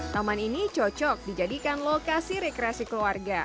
taman ini cocok dijadikan lokasi rekreasi keluarga